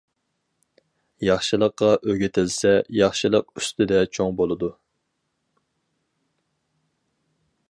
ياخشىلىققا ئۆگىتىلسە، ياخشىلىق ئۈستىدە چوڭ بولىدۇ.